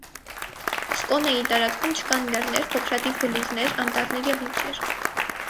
Սկոնեի տարածքում չկան լեռներ, փոքրաթիվ բլուրեներ, անտառներ և լճեր։